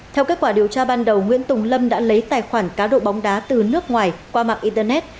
theo kết quả điều tra ban đầu nguyễn tùng lâm đã lấy tài khoản cá độ bóng đá từ nước ngoài qua mạng internet